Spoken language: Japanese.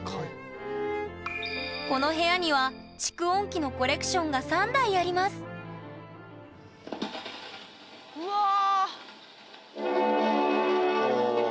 この部屋には蓄音機のコレクションが３台ありますうわあ。